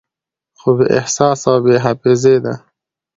خو بې احساسه او بې حافظې ده